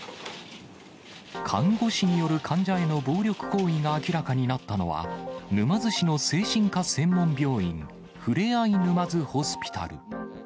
看護師による患者への暴力行為が明らかになったのは、沼津市の精神科専門病院、ふれあい沼津ホスピタル。